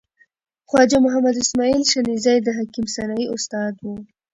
خواجه محمد اسماعیل شنیزی د حکیم سنایی استاد و.